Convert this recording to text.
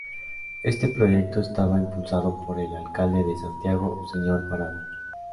Este proyecto estaba impulsado por el alcalde de Santiago, señor Parada.